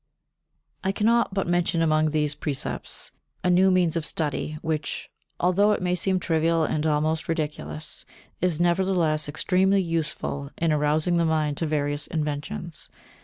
49. I cannot but mention among these precepts a new means of study, which, although it may seem trivial and almost ridiculous, is nevertheless extremely useful in arousing the mind to various inventions.